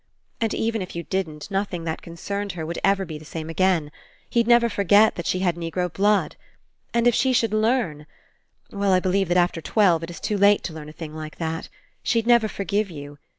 And even if you didn't, nothing that concerned her would ever be the same again. He'd never forget that she had Negro blood. And if she should learn — Well, I believe that after twelve it is too late to learn a thing like that. She'd never forgive you.